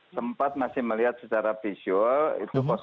sempat masih melihat secara visual itu enam delapan